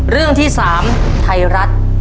เรื่องที่สามไทรัฐ